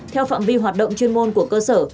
theo phạm vi hoạt động chuyên môn của cơ sở